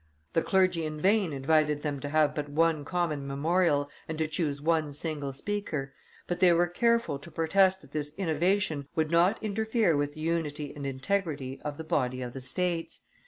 The clergy in vain invited them to have but one common memorial and to choose one single speaker, but they were careful to protest that this innovation would not interfere with the unity and integrity of the body of the States.